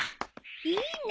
いいね！